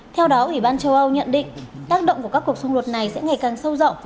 theo đó ủy ban châu âu nhận định tác động của các cuộc xung đột này sẽ ngày càng sâu rộng